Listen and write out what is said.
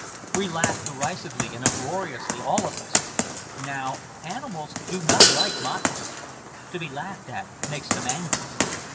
We laughed derisively and uproariously, all of us. Now animals do not like mockery. To be laughed at makes them angry.